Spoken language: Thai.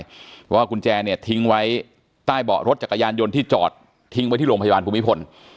เพราะว่ากุญแจเนี่ยทิ้งไว้ใต้เบาะรถจักรยานยนต์ที่จอดทิ้งไว้ที่โรงพยาบาลภูมิพล